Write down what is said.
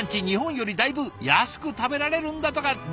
日本よりだいぶ安く食べられるんだとか。